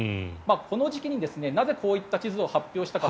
この時期になぜこういった地図を発表したか。